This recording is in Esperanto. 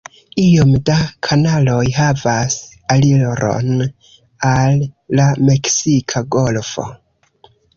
Iom da kanaloj havas aliron al la Meksika golfo.